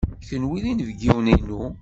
Kenwi d inebgiwen-inu.